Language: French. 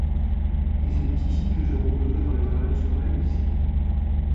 Et c’est ici que je reposerai dans l’éternel sommeil, si. .